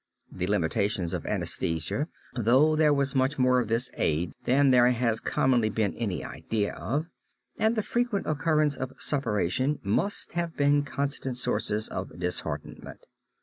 The limitations of anesthesia, though there was much more of this aid than there has commonly been any idea of, and the frequent occurrence of suppuration must have been constant sources of disheartenment.